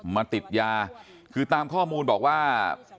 มาติดยาคือตามข้อมูลบอกว่า